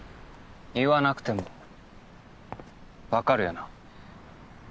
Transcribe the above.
言わなくてもわかるよな？